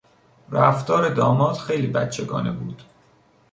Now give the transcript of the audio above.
رفتار داماد خیلی بچگانه بود.